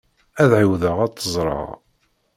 Ad ɛawdeɣ ad t-ẓreɣ.